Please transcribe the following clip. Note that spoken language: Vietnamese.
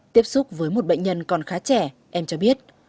tiếp xúc với một bệnh nhân còn khá trẻ em cho biết